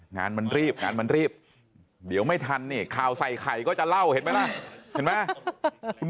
งานมันรีบงานมันรีบเดี๋ยวไม่ทันนี่ข่าวใส่ไข่ก็จะเล่าเห็นไหมล่ะเห็นไหม